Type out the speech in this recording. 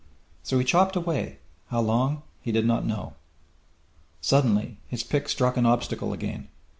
So he chopped away, how long he did not know. Suddenly his pick struck an obstacle again.